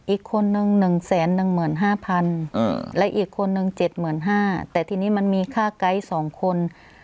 อีกคนนึง๑๑๕๐๐๐และอีกคนนึง๗๕๐๐บาทแต่ทีนี้มันมีค่าไกด์๒คน